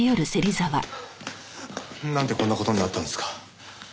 なんでこんな事になったんすか？